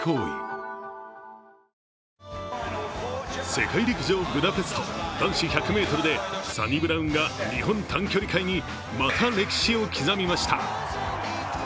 世界陸上ブダペスト、男子１００ｍでサニブラウンが日本短距離界にまた歴史を刻みました。